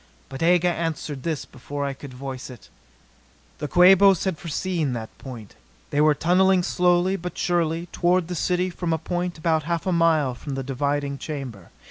But Aga answered this before I could voice it. The Quabos had foreseen that point. They were tunneling slowly but surely toward the city from a point about half a mile from the diving chamber.